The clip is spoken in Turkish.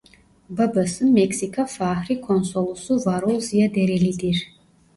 Babası Meksika Fahri Konsolosu Varol Ziya Dereli'dir.